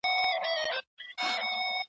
له پاپیو نه مي شرنګ د ګونګرو واخیست